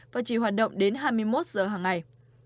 và chỉ hoạt động đến hai mươi một giờ hàng ngày